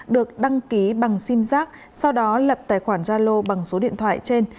được đăng ký bằng sim giác sau đó lập tài khoản zalo bằng số điện thoại trên